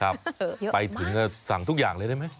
ไปถึงก็สั่งทุกอย่างเลยได้ไหม